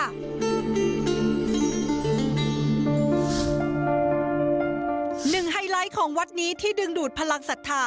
ไฮไลท์ของวัดนี้ที่ดึงดูดพลังศรัทธา